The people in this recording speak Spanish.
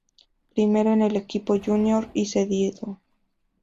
Primero, en el equipo junior y cedido.